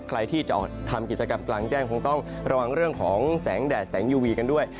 ใครที่จะออกทำกิจกรรมกลางแจ้งคงต้องระวังเรื่องของแสงแดดแสงยูวีกันด้วย